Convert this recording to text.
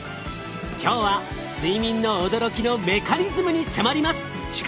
今日は睡眠の驚きのメカニズムに迫ります。